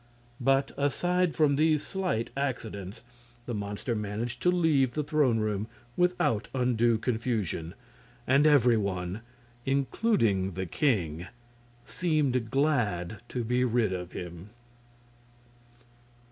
But, aside from these slight accidents, the monster managed to leave the throne room without undue confusion, and every one, including the king, seemed glad to be rid of him.